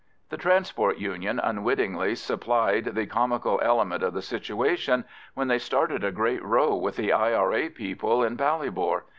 The Transport Union unwittingly supplied the comical element of the situation when they started a great row with the I.R.A. people in Ballybor.